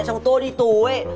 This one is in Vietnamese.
xong tôi đi tù ấy